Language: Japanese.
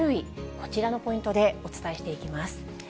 こちらのポイントでお伝えしていきます。